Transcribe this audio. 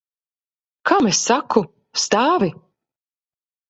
Kam es saku? Stāvi!